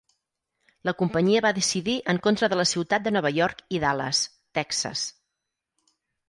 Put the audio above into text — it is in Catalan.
La companyia va decidir en contra de la ciutat de Nova York i Dallas, Texas.